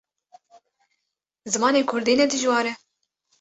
Zimanê Kurdî ne dijwar e.